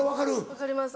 分かります